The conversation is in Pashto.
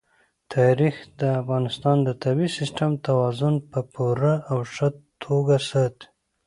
تاریخ د افغانستان د طبعي سیسټم توازن په پوره او ښه توګه ساتي.